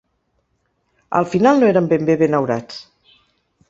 Al final no eren ben bé benaurats.